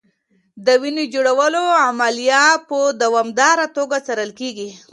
د وینې جوړولو عملیه په دوامداره توګه څارل کېږي.